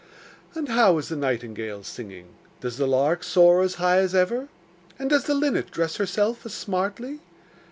'And how is the nightingale singing? Does the lark soar as high as ever? And does the linnet dress herself as smartly?